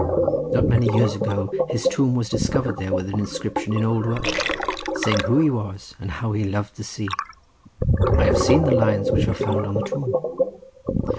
Not many years ago his tomb was discovered there with an inscription in old Welsh—saying who he was, and how he loved the sea. I have seen the lines which were found on the tomb."